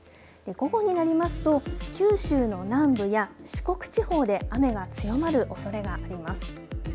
午後になりますと九州の南部や四国地方で雨が強まるおそれがあります。